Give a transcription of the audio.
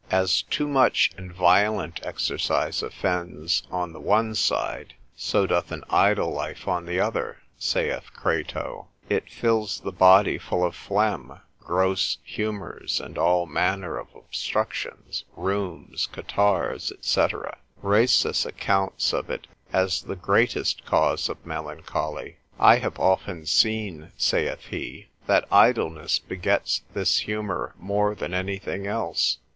As too much and violent exercise offends on the one side, so doth an idle life on the other (saith Crato), it fills the body full of phlegm, gross humours, and all manner of obstructions, rheums, catarrhs, &c. Rhasis, cont. lib. 1. tract. 9, accounts of it as the greatest cause of melancholy. I have often seen (saith he) that idleness begets this humour more than anything else.